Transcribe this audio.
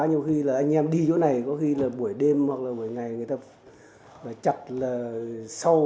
nhiều khi là anh em đi chỗ này có khi là buổi đêm hoặc là buổi ngày người ta chặt là sau